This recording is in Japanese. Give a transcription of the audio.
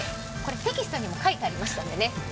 テキストにも書いてありましたのでね。